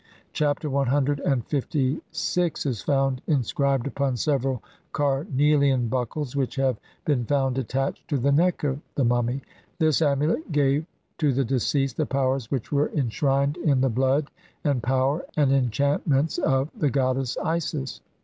Chapter CLVI is found in scribed upon several carnelian "buckles" which have been found attached to the neck of the mummy ; this amulet gave to the deceased the powers which were enshrined in the blood and power and enchantments of the goddess Isis.